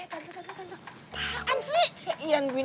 tadinya udah lupa sama yang namanya ian